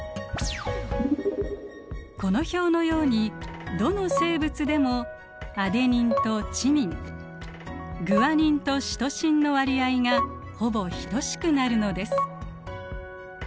この表のようにどの生物でもアデニンとチミングアニンとシトシンの割合がほぼ等しくなるのです。